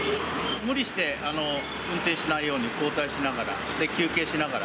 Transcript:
無理して運転しないように、交代しながら、休憩しながら。